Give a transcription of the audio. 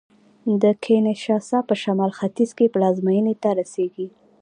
د کینشاسا په شمال ختیځ کې پلازمېنې ته رسېږي